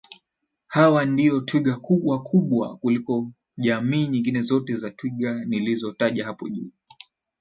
Hawa ndio twiga wakubwa kuliko jamii nyingine zote za twiga nilizo taja hapo juu